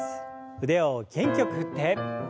腕を元気よく振って。